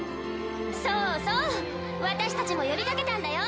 そうそう私たちも呼びかけたんだよ！